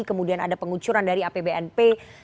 kemudian ada pengucuran dari apbnp